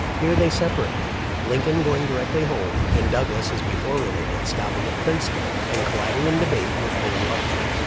Here they sep arated, Lincoln going directly home, and Douglas, as before related, stopping at Princeton and collid ing in debate with Owen Love joy.